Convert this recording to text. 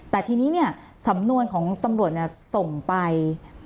แต่ทีนี้เนี่ยสำนวนของตำรวจส่งไป